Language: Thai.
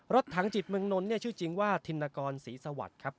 รถถังจิตเมืองนนท์เนี่ยชื่อจริงว่าธินกรศรีสวัสดิ์ครับ